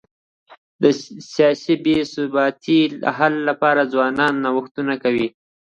د سیاسي بي ثباتی د حل لپاره ځوانان نوښتونه کوي.